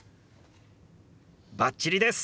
バッチリです！